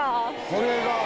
これが。